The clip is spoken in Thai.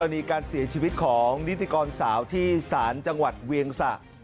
อันนี้การเสียชีวิตของนิติกรสาวที่ศาลจังหวัดเวียงสะ